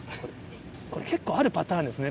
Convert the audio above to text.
これ結構あるパターンですね